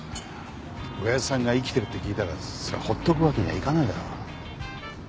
親父さんが生きてるって聞いたらそりゃほっとくわけにはいかないだろ。